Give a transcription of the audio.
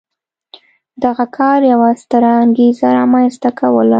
دغه کار یوه ستره انګېزه رامنځته کوله.